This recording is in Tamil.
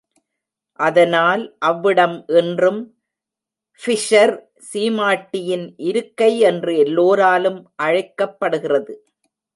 அதனால் அவ்விடம் இன்றும் ஃபிஷர் சீமாட்டியின் இருக்கை என்று எல்லோராலும் அழைக்கப் படுகிறது.